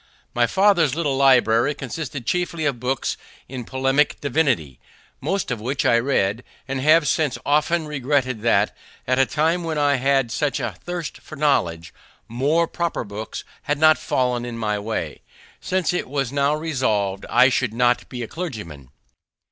My father's little library consisted chiefly of books in polemic divinity, most of which I read, and have since often regretted that, at a time when I had such a thirst for knowledge, more proper books had not fallen in my way, since it was now resolved I should not be a clergyman.